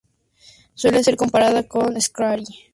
Suele ser comparada con "Scary Movie.